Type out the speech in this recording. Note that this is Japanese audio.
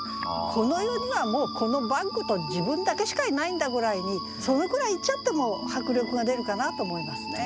この世にはもうこのバッグと自分だけしかいないんだぐらいにそのくらい言っちゃっても迫力が出るかなと思いますね。